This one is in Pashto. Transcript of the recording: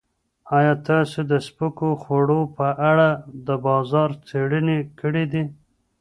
ایا تاسو د سپکو خوړو په اړه د بازار څېړنې کړې دي؟